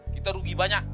kita rugi banyak